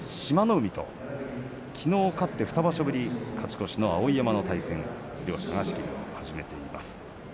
海ときのう勝って２場所ぶり勝ち越しの碧山の対戦。両者が仕切りを始めています。